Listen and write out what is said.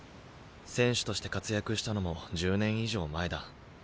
選手として活躍したのも１０年以上前だ。